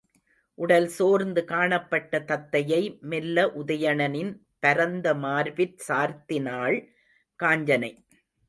உடல் சோர்ந்து காணப்பட்ட தத்தையை மெல்ல உதயணனின் பரந்த மார்பிற் சார்த்தினாள் காஞ்சனை.